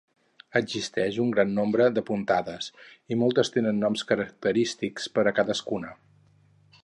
Existeix un gran nombre de puntades, i moltes tenen noms característics per a cadascuna.